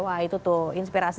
wah itu tuh inspirasi